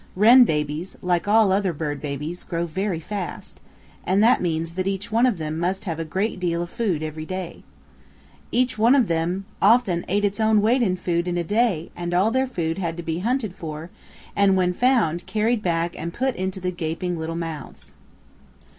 Wren babies, like all other bird babies, grow very fast, and that means that each one of them must have a great deal of food every day. Each one of them often ate its own weight in food in a day and all their food had to be hunted for and when found carried back and put into the gaping little mouths.